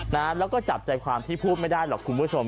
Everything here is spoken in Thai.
แล้วก็จับใจความที่พูดไม่ได้หรอกคุณผู้ชม